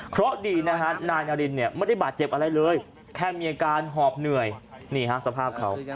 เพราะดีนะฮะนายนารินเนี่ยไม่ได้บาดเจ็บอะไรเลยแค่มีอาการหอบเหนื่อยนี่ฮะสภาพเขา